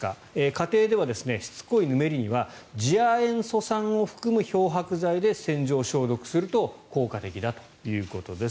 家庭ではしつこいぬめりには次亜塩素酸を含む漂白剤で洗浄・消毒すると効果的だということです。